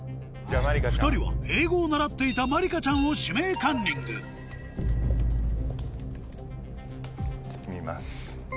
２人は英語を習っていたまりかちゃんを指名カンニング見ます。